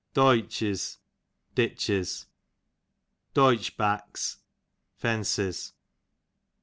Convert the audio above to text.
Doytches, ditches. Doytch backs, fences.